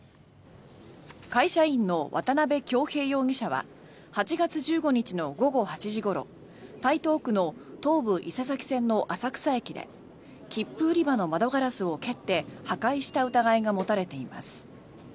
会社員の渡邊恭平容疑者は８月１５日の午後８時ごろ台東区の東武伊勢崎線の浅草駅で切符売り場の窓ガラスを蹴って破壊した疑いが持たれています。